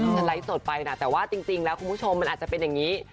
ฉันไลฟ์สดไปนะแต่ว่าจริงแล้วคุณผู้ชมมันอาจจะเป็นอย่างนี้